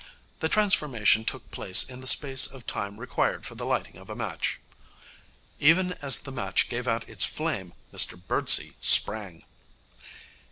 The transformation took place in the space of time required for the lighting of a match. Even as the match gave out its flame, Mr Birdsey sprang.